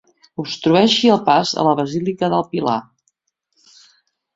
Obstrueixi el pas a la basílica del Pilar.